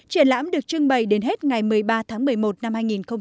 triển lãm được trưng bày đến hết ngày một mươi ba tháng một mươi một năm hai nghìn một mươi chín